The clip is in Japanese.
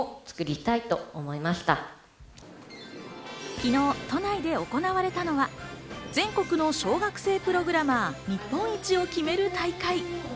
昨日、都内で行われたのが全国の小学生プログラマー日本一を決める大会。